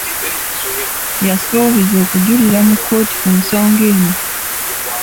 Yasuubiza okujulira mu kkooti ku nsonga eno.